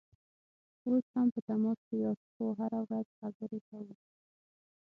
اوس هم په تماس کې یاست؟ هو، هره ورځ خبرې کوو